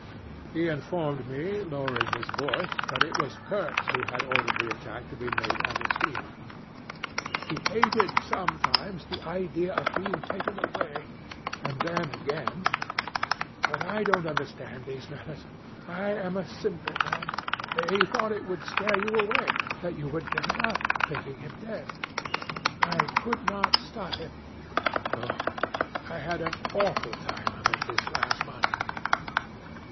"He informed me, lowering his voice, that it was Kurtz who had ordered the attack to be made on the steamer. 'He hated sometimes the idea of being taken away and then again. ... But I don't understand these matters. I am a simple man. He thought it would scare you away that you would give it up, thinking him dead. I could not stop him. Oh, I had an awful time of it this last month.'